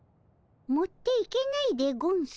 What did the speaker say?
持っていけないでゴンス？